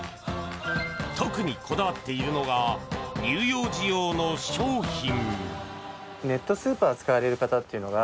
特にこだわっているのが乳幼児用の商品。